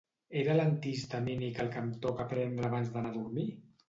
Era l'antihistamínic el que em toca prendre abans d'anar a dormir?